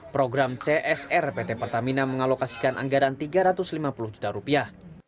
program csr pt pertamina mengalokasikan anggaran tiga ratus lima puluh juta rupiah